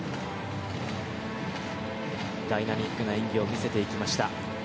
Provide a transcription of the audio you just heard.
ダイナミックな演技を見せていきました。